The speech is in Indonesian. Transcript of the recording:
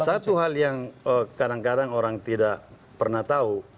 satu hal yang kadang kadang orang tidak pernah tahu